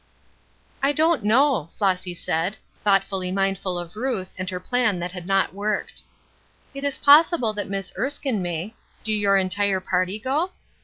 "I don't know," Flossy said, thoughtfully mindful of Ruth and her plan that had not worked. "It is possible that Miss Erskine may. Do your entire party go?"